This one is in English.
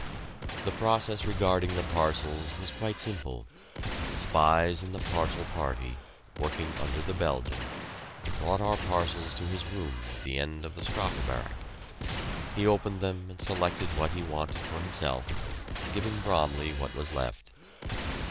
The process regarding the parcels was quite simple. Spies in the parcel party, working under the Belgian, brought our parcels to his room at the end of the Strafe Barrack. He opened them and selected what he wanted for himself, giving Bromley what was left.